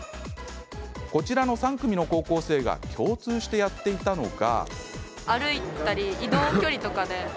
こちらの３組の高校生が共通してやっていたのが。